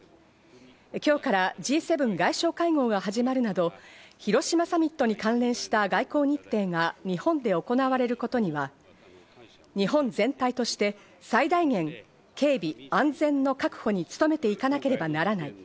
今日からＧ７外相会合が始まるなど、広島サミットに関連した外交日程が日本で行われることには、日本全体として最大限警備、安全の確保に努めていかなければならない。